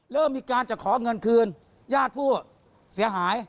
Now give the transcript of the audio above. เริ่มมีการจะขอเงินคืนญาติผู้เสียหาย